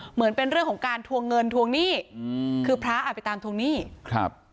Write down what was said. เหมือนเป็นเรื่องของการทวงเงินทวงหนี้อืมคือพระอ่ะไปตามทวงหนี้ครับ